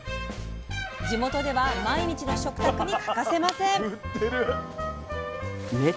地元では毎日の食卓に欠かせません。